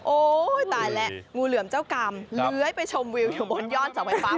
ตายแล้วงูเหลือมเจ้ากรรมเลื้อยไปชมวิวอยู่บนยอดเสาไฟฟ้า